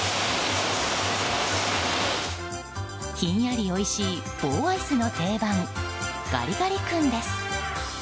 ひんやりおいしい棒アイスの定番、ガリガリ君です。